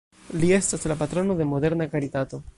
Li estas la patrono de moderna karitato.